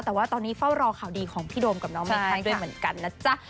แต่ว่าตอนนี้เฝ้ารอข่าวดีของพี่โดมกับน้องไมคังด้วยเหมือนกันนะจ๊ะ